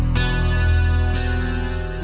dia cuma getah